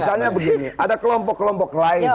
misalnya begini ada kelompok kelompok lain